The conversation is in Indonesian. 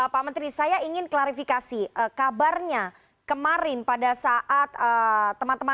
pak menteri saya ingin klarifikasi kabarnya kemarin pada saat teman teman atlet bulu bulu